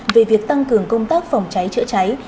về việc tăng cường công tác phòng cháy chữa cháy